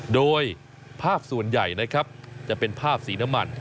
โดยภาพส่วนใหญ่นะครับจะเป็นภาพสีน้ำมัน